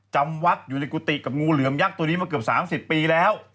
จำวัดอยู่ในกุฏิกับงูเหลือมยักษ์ตัวนี้มาเกือบ๓๐ปีแล้ว